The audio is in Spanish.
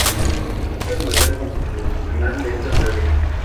Es el modelo constitucional de esta teoría.